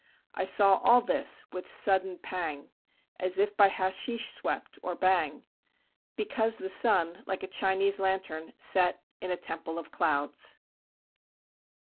I saw all this with sudden pang, As if by hashish swept or bhang, Because the sun, like a Chinese lantern, Set in a temple of clouds!